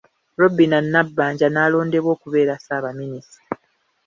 Robinah Nabbanja n’alondebwa okubeera Ssaabaminisita.